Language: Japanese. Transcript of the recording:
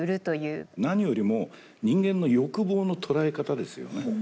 何よりも人間の欲望の捉え方ですよね。